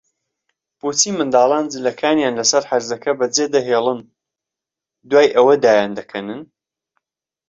بۆچی منداڵان جلەکانیان لەسەر عەرزەکە بەجێدەهێڵن، دوای ئەوەی دایاندەکەنن؟